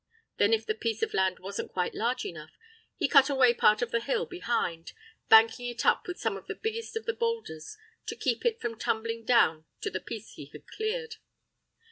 Then if the piece of land wasn't quite large enough, he cut away part of the hill behind, banking it up with some of the biggest of the boulders, to keep it from tumbling down on to the piece he had cleared.